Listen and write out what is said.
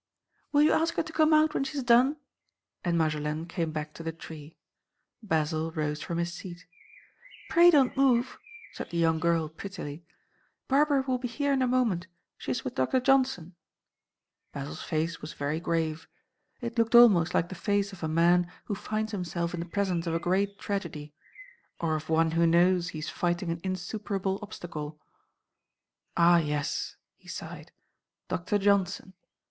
"Will you ask her to come out when she's done?" and Marjolaine came back to the tree. Basil rose from his seat. "Pray don't move," said the young girl, prettily, "Barbara will be here in a moment. She is with Doctor Johnson." Basil's face was very grave. It looked almost like the face of a man who finds himself in the presence of a great tragedy; or of one who knows he is fighting an insuperable obstacle. "Ah, yes," he sighed, "Doctor Johnson.